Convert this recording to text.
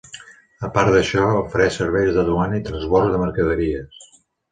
A part d'això, ofereix serveis de duana i transbords de mercaderies.